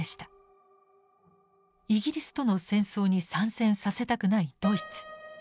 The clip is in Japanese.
イギリスとの戦争に参戦させたくないドイツ。